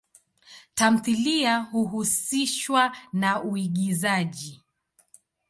Tamthilia huhusishwa na uigizaji.